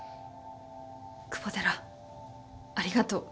久保寺ありがとう。